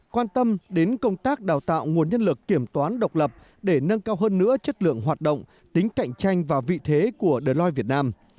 quan tâm đến công tác đào tạo nguồn nhân lực kiểm toán độc lập để nâng cao hơn nữa chất lượng hoạt động tính cạnh tranh và vị thế của de việt nam